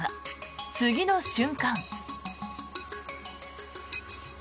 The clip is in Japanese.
次の瞬間。